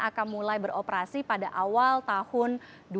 akan mulai beroperasi pada awal tahun dua ribu dua puluh